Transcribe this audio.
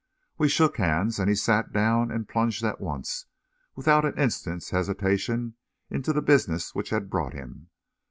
We shook hands, and he sat down and plunged at once, without an instant's hesitation, into the business which had brought him.